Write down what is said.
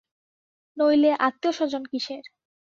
নইলে আত্মীয়স্বজন কিসের।